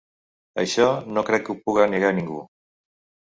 Això, no crec que ho puga negar ningú.